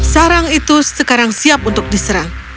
sarang itu sekarang siap untuk diserang